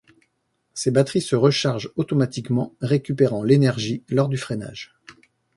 Ses batteries se rechargent automatiquement récupérant l'énergie lors du freinage.